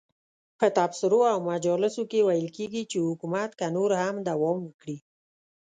په تبصرو او مجالسو کې ویل کېږي چې حکومت که نور هم دوام وکړي.